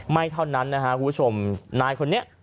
ไม่เท่านั้นนะฮะคุณผู้ชมนายคนนี้